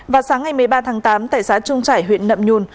vào sáng ngày một mươi ba tháng tám tại xã trung trải huyện nậm nhùn